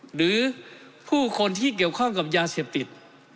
หรือผู้คนที่เกี่ยวข้องกับยาเสพติด